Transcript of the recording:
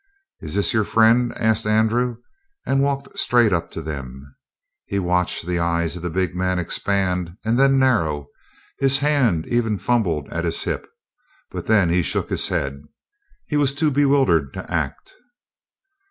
"Is this your friend?" asked Andrew, and walked straight up to them. He watched the eyes of the big man expand and then narrow; his hand even fumbled at his hip, but then he shook his head. He was too bewildered to act.